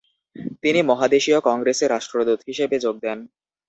তিনি মহাদেশীয় কংগ্রেসের রাষ্ট্রদূত হিসেবে যোগ দেন।